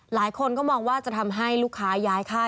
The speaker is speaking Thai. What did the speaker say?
หลายคนก็มองว่าจะทำให้ลูกค้าย้ายค่าย